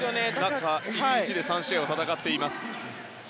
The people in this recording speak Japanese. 中１日で３試合を戦っています。